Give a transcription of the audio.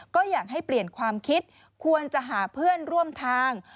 ก็อยากให้เปลี่ยนความคิดควรจะหาเพื่อนร่วมทาง